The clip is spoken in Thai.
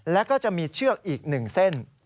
แล้วก็จะมีเชือกอีก๑เส้น